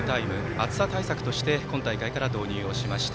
暑さ対策として今大会から導入をしました。